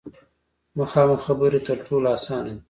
مخامخ خبرې تر ټولو اسانه دي.